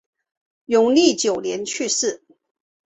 永历九年去世。